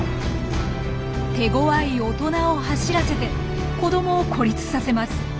手ごわい大人を走らせて子どもを孤立させます。